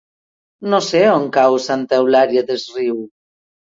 No sé on cau Santa Eulària des Riu.